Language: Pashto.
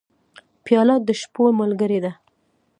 پیاله د شپو ملګرې ده.